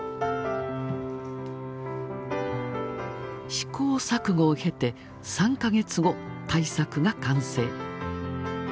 試行錯誤を経て３か月後大作が完成。